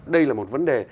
đây là một vấn đề